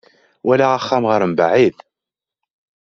Walaɣ axxam ɣer mebɛid.